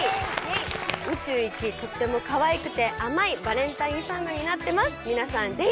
宇宙一とってもかわいくて甘いバレンタインソングになってます